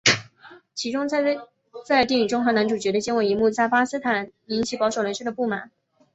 其中她在电影中和男主角的接吻一幕在巴基斯坦引起保守人士的不满。